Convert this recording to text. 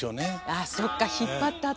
あっそっか引っ張ったあとかも。